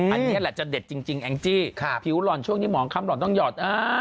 อันนี้แหละจะเด็ดจริงแองจี้ผิวหล่อนช่วงนี้หมองคำหล่อนต้องหยอด